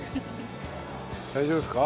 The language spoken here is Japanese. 大丈夫ですか？